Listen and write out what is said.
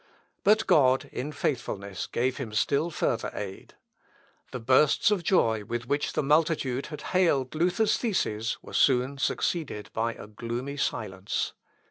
But God in faithfulness gave him still further aid. The bursts of joy with which the multitude had hailed Luther's theses were soon succeeded by a gloomy silence.